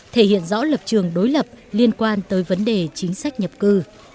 thể hiện rõ lập trường đối lập liên quan tới vấn đề chính sách nhập cư